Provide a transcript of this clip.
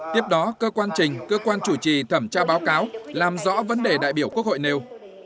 tiếp đó cơ quan trình cơ quan chủ trì thẩm tra báo cáo làm rõ vấn đề đại biểu quốc hội nêu